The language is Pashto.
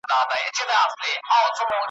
په رګو یې د حرص اور وي لګېدلی ,